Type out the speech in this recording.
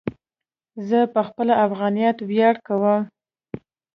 زه په خپل افغانیت ویاړ کوم.